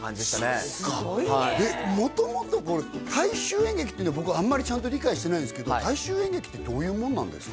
元々これ大衆演劇っていうのは僕あんまりちゃんと理解してないんですけど大衆演劇ってどういうもんなんですか？